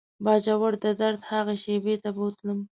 باجوړ د درد هغې شېبې ته بوتلم.